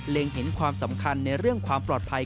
เห็นความสำคัญในเรื่องความปลอดภัย